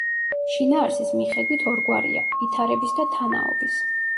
შინაარსის მიხედვით ორგვარია: ვითარების და თანაობის.